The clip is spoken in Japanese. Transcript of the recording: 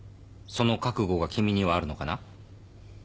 その覚悟が君にはあるのかな？